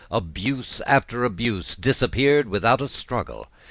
Abuse after abuse disappeared without a struggle.